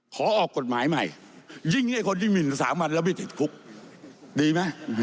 ของก่อกฎหมายใหม่